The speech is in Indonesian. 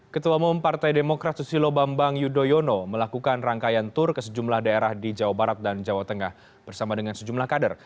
ketua umum partai demokrat susilo bambang yudhoyono melakukan rangkaian tur ke sejumlah daerah di jawa barat dan jawa tengah bersama dengan sejumlah kader